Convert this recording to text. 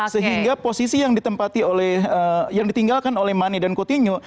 sehingga posisi yang ditinggalkan oleh mane dan coutinho